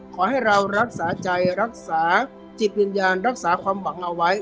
ขอให้เรารักษาใจรักษาจิตวิญญาณรักษาความหวังเอาไว้